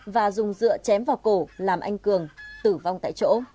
và dùng dựa chém vào cổ làm anh cường tử vong tại chỗ